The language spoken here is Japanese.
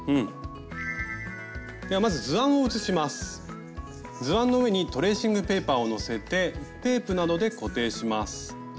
ではまず図案の上にトレーシングペーパーをのせてテープなどで固定します。